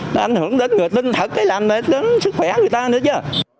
nó ảnh hưởng đến người tin thật làm đến sức khỏe người ta nữa chứ